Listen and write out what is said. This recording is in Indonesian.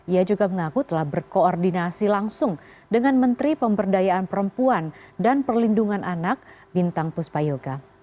ia juga mengaku telah berkoordinasi langsung dengan menteri pemberdayaan perempuan dan perlindungan anak bintang puspayoga